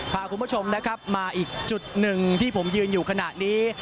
พาคุณผู้ชมนะครับมาอีกจุดหนึ่งที่ผมยืนอยู่ขณะนี้